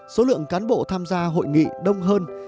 số lượng cán bộ tham gia hội nghị đông hơn